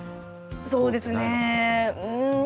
そうですねうん。